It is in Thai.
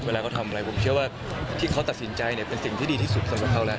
เวลาเขาทำอะไรผมเชื่อว่าที่เขาตัดสินใจเนี่ยเป็นสิ่งที่ดีที่สุดสำหรับเขาแล้ว